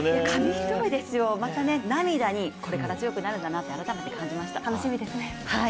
紙一重ですよ、また涙にまた強くなるんだなと改めて、感じました。